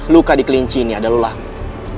luka di kelinci ini adalah langit